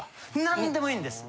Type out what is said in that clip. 何でもいいんです。